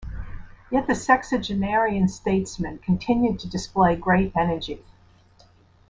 Yet the sexagenarian statesman continued to display great energy.